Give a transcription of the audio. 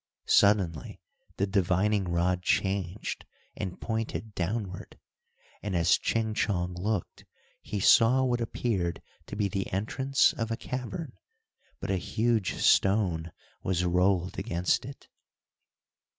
Suddenly the divining rod changed, and pointed downward, and as Ching Chong looked, he saw what appeared to be the entrance of a cavern, but a huge stone was rolled against it.